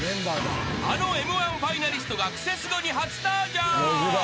［あのＭ−１ファイナリストが『クセスゴ』に初登場］